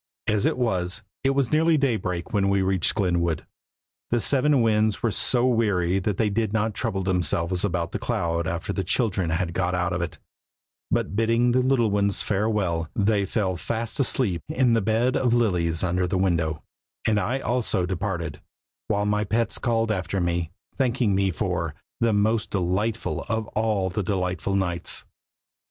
As it was, it was nearly daybreak when we reached Glenwood. The seven Winds were so weary that they did not trouble themselves about the cloud after the children had got out of it, but bidding the little ones farewell, they fell fast asleep in the bed of lilies under the window; and I also departed, while my pets called after me, thanking me for "the most delightful of all the delightful nights!"